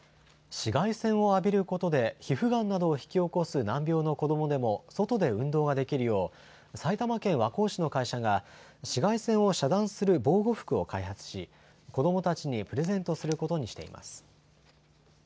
紫外線を浴びることで皮膚がんなどを引き起こす難病の子どもでも、外で運動ができるよう、埼玉県和光市の会社が、紫外線を遮断する防護服を開発し、子どもたちにプレゼントすることにしています。